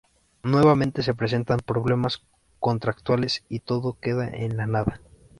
Nuevamente se presentan problemas contractuales y todo queda en la nada.